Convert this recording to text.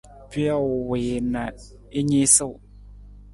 Pijo wii na i niisuu.